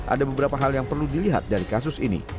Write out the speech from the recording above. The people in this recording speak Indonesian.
ada beberapa hal yang perlu dilihat dari kasus ini